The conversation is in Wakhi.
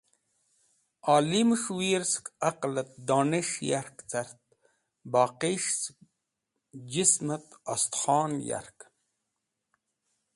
Olimẽs̃h wir sek aqtet dones̃h yark cart boqis̃h sẽk jismẽt estkhon yarkẽn